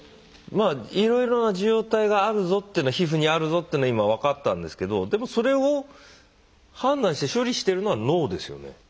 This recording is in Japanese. まあいろいろな受容体が皮膚にあるぞというのは今分かったんですけどでもそれを判断して処理しているのは脳ですよね？